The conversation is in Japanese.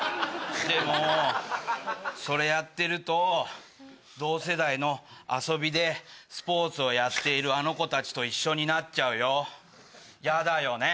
でもそれやってると同世代の遊びでスポーツをやっているあの子たちと一緒になっちゃうよヤダよね？